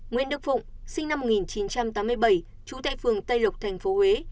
nguyễn đức phụng sinh năm một nghìn chín trăm tám mươi bảy trú tại phường tây lộc tp huế